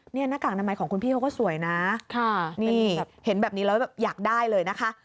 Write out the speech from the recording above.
นี่หน้ากากอนามัยของคุณพี่เขาก็สวยนะนี่เห็นแบบนี้แล้วแบบอยากได้เลยนะคะ